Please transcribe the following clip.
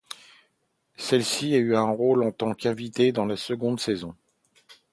Celui-ci a eu un rôle en tant qu'invité dans la seconde saison.